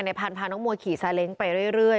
พันธุ์พาน้องมัวขี่ซาเล้งไปเรื่อย